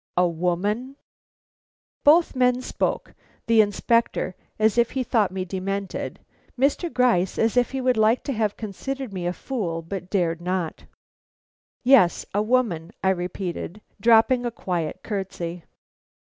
"A WOMAN?" Both men spoke: the Inspector, as if he thought me demented; Mr. Gryce, as if he would like to have considered me a fool but dared not. "Yes, a woman," I repeated, dropping a quiet curtsey.